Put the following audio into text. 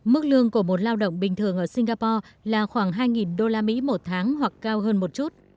mức lương của một lao động bình thường ở singapore là khoảng hai usd một tháng hoặc cao hơn một chút